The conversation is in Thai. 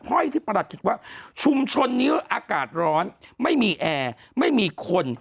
ห้อยที่ประหลัดคิดว่าชุมชนนี้อากาศร้อนไม่มีแอร์ไม่มีคน